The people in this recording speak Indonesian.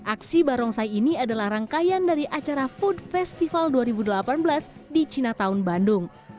aksi barongsai ini adalah rangkaian dari acara food festival dua ribu delapan belas di cinatown bandung